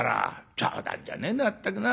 冗談じゃねえなまったくな。